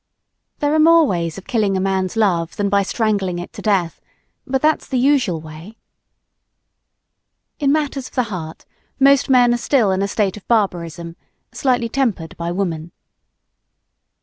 There are more ways of killing a man's love than by strangling it to death but that's the usual way. In matters of the heart most men are still in a state of barbarism, slightly tempered by woman.